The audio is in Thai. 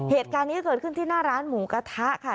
เหตุการณ์นี้เกิดขึ้นที่หน้าร้านหมูกระทะค่ะ